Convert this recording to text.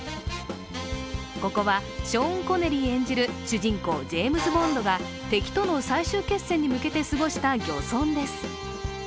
ここはショーン・コネリー演じる主人公、ジェームズ・ボンドが敵との最終決戦に向けて過ごした漁村です。